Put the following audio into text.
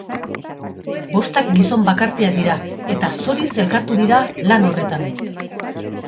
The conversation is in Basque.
Bostak gizon bakartiak dira, eta zoriz elkartu dira lan horretan.